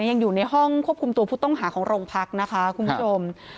ยังอยู่ในห้องควบคุมตัวผู้ต้องหาของโรงพักนะคะคุณผู้ชม